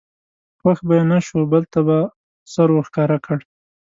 خوښ به یې نه شو بل ته به سر ور ښکاره کړ.